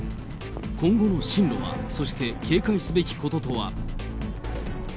今後の進路は、そして警戒すべきこととは。